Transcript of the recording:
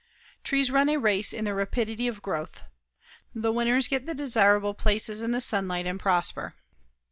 Trees run a race in their rapidity of growth. The winners get the desirable places in the sunlight and prosper.